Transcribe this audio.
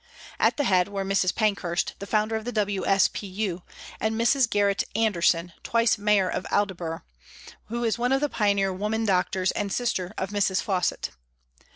At the head were Mrs. Pankhurst, the founder of the W.S.P.U. and Mrs. Garatt Anderson, twice Mayor of Aldeburgh, who is one of the pioneer women doctors and sister of Mrs. Fawcett.